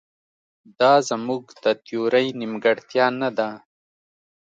دا زموږ د تیورۍ نیمګړتیا نه ده.